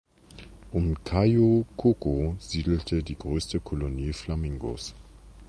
Um Cayo Coco siedelt die größte Kolonie Flamingos.